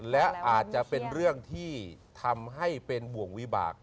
และอาจจะเป็นเรื่องที่ทำให้เป็นบ่วงวิบาก